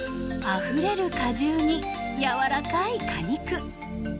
あふれる果汁に軟らかい果肉。